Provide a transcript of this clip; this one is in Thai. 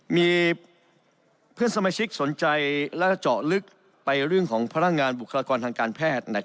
มีเพื่อนสมาชิกสนใจและเจาะลึกไปเรื่องของพนักงานบุคลากรทางการแพทย์